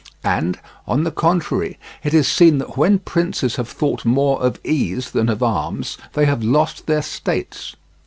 And, on the contrary, it is seen that when princes have thought more of ease than of arms they have lost their states.